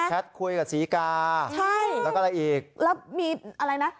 คุยกับศรีกาใช่แล้วก็อะไรอีกแล้วมีอะไรนะ